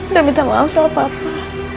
udah minta maaf soal papa